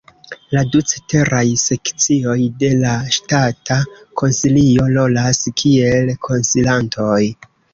La du ceteraj sekcioj de la Ŝtata Konsilio rolas kiel konsilantoj.